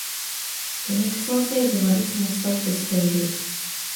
魚肉ソーセージはいつもストックしている